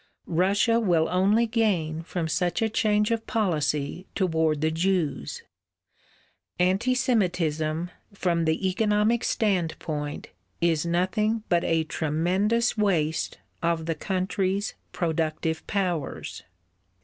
Russia will only gain from such a change of policy toward the Jews. Anti Semitism, from the economic standpoint, is nothing but a tremendous waste of the country's productive powers.